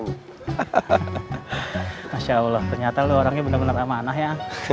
masya allah ternyata orangnya benar benar amanah ya